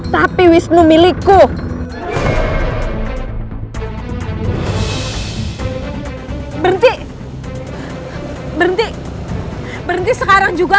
tapi ia tidak lebih dari kita